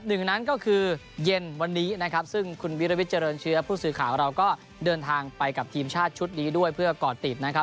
หนึ่งนั้นก็คือเย็นวันนี้นะครับซึ่งคุณวิรวิทเจริญเชื้อผู้สื่อข่าวเราก็เดินทางไปกับทีมชาติชุดนี้ด้วยเพื่อก่อติดนะครับ